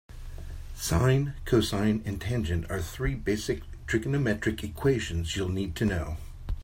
Sine, cosine and tangent are three basic trigonometric equations you'll need to know.